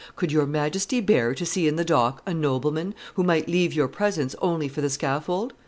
Could your Majesty bear to see in the dock a nobleman, who might leave your presence only for the scaffold?